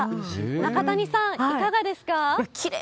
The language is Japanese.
中谷さん、いかがですか？